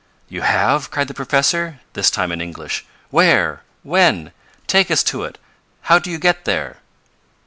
"You have!" cried the professor, this time in English. "Where? When? Take us to it! How do you get here?"